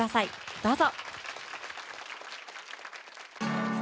どうぞ。